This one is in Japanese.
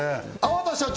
粟田社長